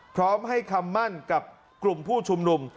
พร้อมให้คำมั่นกับกลุ่มผู้ชุมนุม